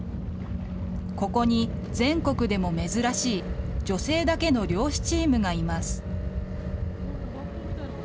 ここに全国でも珍しい、女性だけの漁師チームがいます。